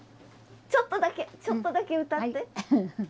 ちょっとだけちょっとだけ歌って。